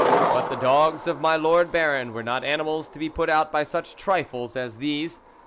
But the dogs of my lord Baron were not animals to be put out by such trifles as these.